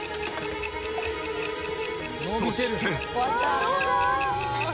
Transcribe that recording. そして。